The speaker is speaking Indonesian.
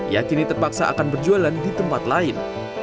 ia kini terpaksa akan berjualan